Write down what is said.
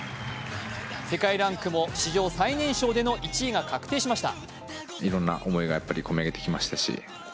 世界ランクも史上最年少での１位が確定しました。